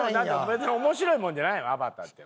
別に面白いもんじゃないもん『アバター』って。